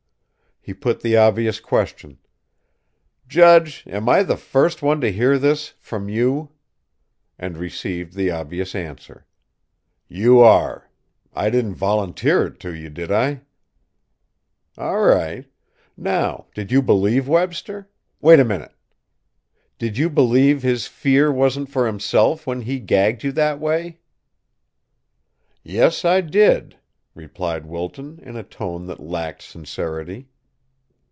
He put the obvious question: "Judge, am I the first one to hear this from you?" and received the obvious answer: "You are. I didn't volunteer it to you, did I?" "All right. Now, did you believe Webster? Wait a minute! Did you believe his fear wasn't for himself when he gagged you that way?" "Yes; I did," replied Wilton, in a tone that lacked sincerity.